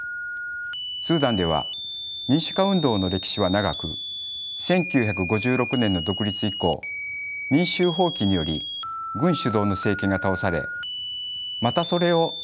スーダンでは民主化運動の歴史は長く１９５６年の独立以降民衆蜂起により軍主導の政権が倒されまたそれを軍部が覆す